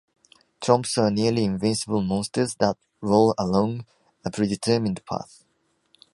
Chomps are nearly-invincible monsters that roll along a predetermined path.